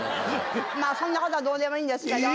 まあそんな事はどうでもいいんですけど。